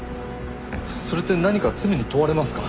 それって何か罪に問われますか？